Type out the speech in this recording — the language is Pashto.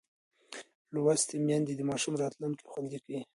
لوستې میندې د ماشوم راتلونکی خوندي کوي.